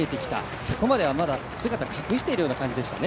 そこまではまだ姿、隠しているような感じでしたね。